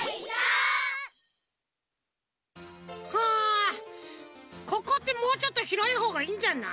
あここってもうちょっとひろいほうがいいんじゃない？